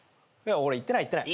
俺行ってない行ってない。